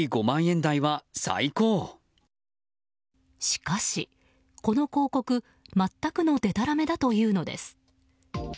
しかし、この広告全くのでたらめだというのです。